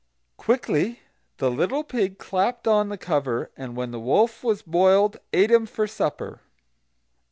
Quickly the little pig clapped on the cover, and when the wolf was boiled ate him for supper.